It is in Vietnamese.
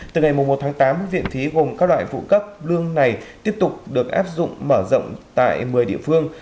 từ ngày một tháng tám viện phí gồm các loại phụ cấp lương này tiếp tục được áp dụng mở rộng tại một mươi địa phương